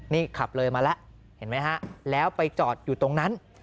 นี่ขับเลยมาแล้วเห็นไหมฮะแล้วไปจอดอยู่ตรงนั้น